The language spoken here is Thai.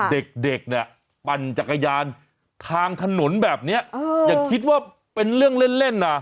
เด็กเนี่ยปั่นจักรยานทางถนนแบบนี้อย่าคิดว่าเป็นเรื่องเล่นนะ